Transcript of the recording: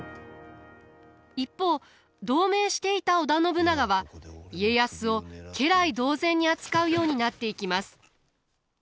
一方同盟していた織田信長は家康を家来同然に扱うようになっていきます。